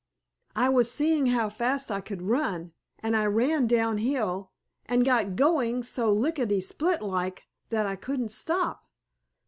"I was seeing how fast I could run, and I ran down hill and got going so lickity split like that I couldn't stop.